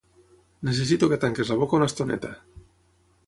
Necessito que tanquis la boca una estoneta.